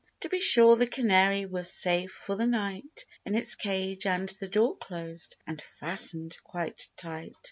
To be sure the Canary was safe for the night In its cage, and the door closed, and fastened quite tight.